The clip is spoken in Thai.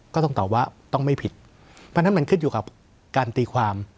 ก็ต้องตอบว่าต้องไม่ผิดเพราะฉะนั้นมันขึ้นอยู่กับการตีความ